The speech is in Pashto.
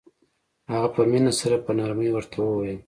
هغه په مينه سره په نرمۍ ورته وويل.